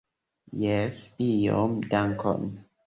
Jes, iom, dankon.